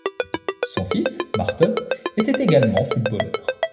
Son fils, Márton, était également footballeur.